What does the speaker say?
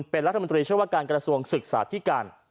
เป็นรัฐมนตรีช่วยว่าการกระทรวงศึกษาที่การ